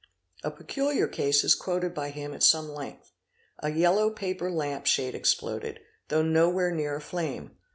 A peculiar case is quoted by him at some length. A yellow paper lamp shade exploded, though nowhere near a flame.